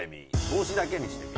帽子だけにしてみ？